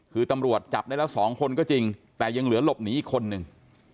คือตำรวจจับได้แล้ว๒คนก็จริงแต่ยังเหลือหลบหนีอีกคนนึง